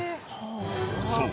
［そう。